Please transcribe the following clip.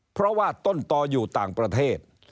เพราะว่าต้นต่ออยู่ต่างประเทศ